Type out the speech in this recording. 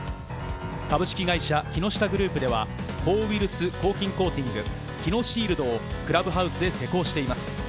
株式会社木下グループでは抗ウイルス抗菌コーティング、キノシールドをクラブハウスへ施工しています。